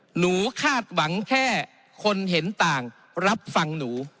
คาดหวังแค่คนเห็นต่างรับฟังหนู